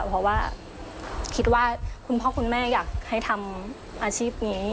เพราะว่าคิดว่าคุณพ่อคุณแม่อยากให้ทำอาชีพนี้